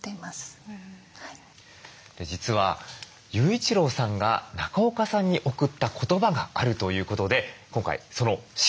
実は雄一郎さんが中岡さんに贈った言葉があるということで今回その色紙をお持ち頂きました。